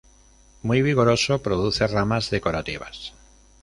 Muy vigoroso, produce ramas decorativas.